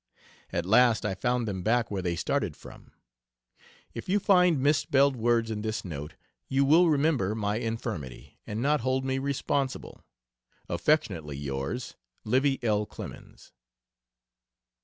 At last I found them back where they started from. If you find misspelled words in this note, you will remember my infirmity and not hold me responsible. Affectionately yours, LIVY L. CLEMENS.